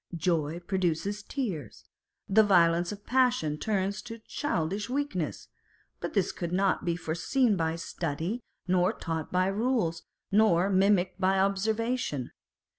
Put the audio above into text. Joy produces tears : the violence of passion turns to childish weakness ; but this could not be foreseen by study, nor taught by rules, nor mimicked by observation.